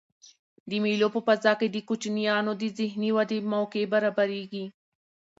د مېلو په فضا کښي د کوچنيانو د ذهني ودي موقع برابریږي.